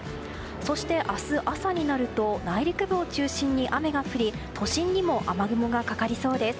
そして、明日朝になると内陸部を中心に雨が降り都心にも雨雲がかかりそうです。